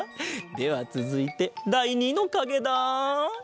ではつづいてだい２のかげだ。